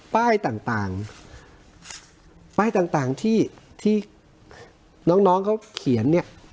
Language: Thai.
ป้ายต่างป้ายต่างที่ที่น้องน้องเขาเขียนเนี่ย